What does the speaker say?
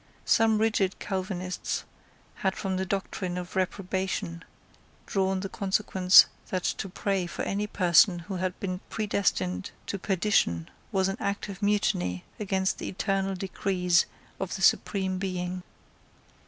Some rigid Calvinists had from the doctrine of reprobation drawn the consequence that to pray for any person who had been predestined to perdition was an act of mutiny against the eternal decrees of the Supreme Being.